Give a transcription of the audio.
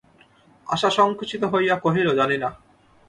আশা সংকুচিত হইয়া কহিল, জানি না।